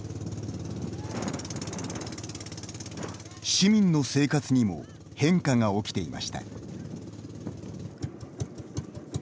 市民の生活にも変化が起きていました。